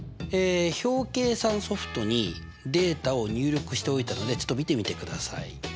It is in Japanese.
表計算ソフトにデータを入力しておいたのでちょっと見てみてください。